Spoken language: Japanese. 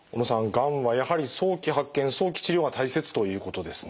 がんはやはり早期発見早期治療が大切ということですね。